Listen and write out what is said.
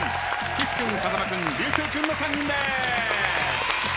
岸君風間君流星君の３人です！